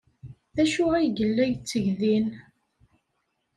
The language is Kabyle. D acu ay yella yetteg din?